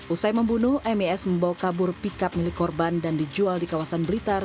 usai membunuh mis membawa kabur pickup milik korban dan dijual di kawasan blitar